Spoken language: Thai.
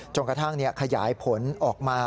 กระทั่งขยายผลออกมา